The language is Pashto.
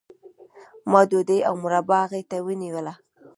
ما ډوډۍ او مربا هغې ته ونیوله